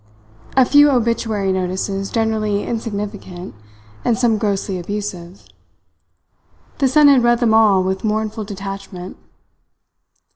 A few obituary notices generally insignificant and some grossly abusive. The son had read them all with mournful detachment.